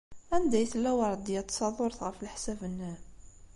Anda ay tella Weṛdiya n Tsaḍurt, ɣef leḥsab-nnem?